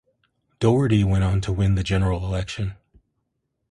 Dougherty went on to win the general election.